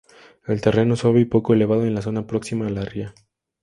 El terreno es suave y poco elevado en la zona próxima a la ría.